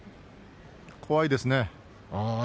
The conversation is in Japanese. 怖いですね。